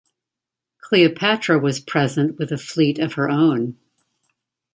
Cleopatra was present with a fleet of her own.